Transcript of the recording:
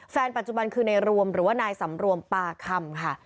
แฟนปัจจุบันคือในรวมหรือว่านายสำรวมปาคำค่ะ